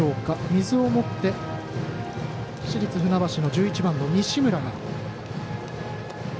水を持って市立船橋の１１番の西村。